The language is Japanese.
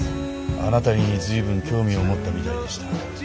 あなたに随分興味を持ったみたいでした。